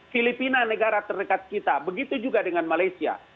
filipina negara terdekat kita begitu juga dengan malaysia